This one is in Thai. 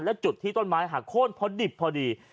และจุดที่ต้นไม้หักโค้นพอดิบพอดี